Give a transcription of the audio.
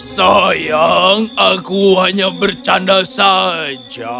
sayang aku hanya bercanda saja